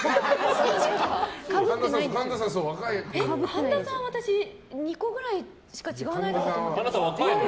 神田さん、私２個くらいしか違わないと思ってた。